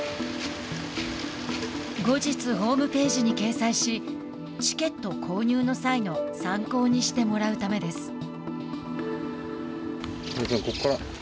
後日、ホームページに掲載しチケット購入の際の参考にしてもらうためです。